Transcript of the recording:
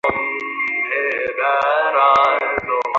আমি একজন কোয়ালিস্ট।